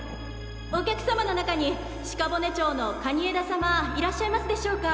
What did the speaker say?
お客様の中に鹿骨町の蟹江田様いらっしゃいますでしょうか？